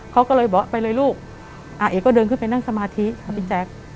เขาก็เลยบอกไปเลยลูกเอ๊ยก็เดินขึ้นไปนั่งสมาธิอาวีนแจ๊ก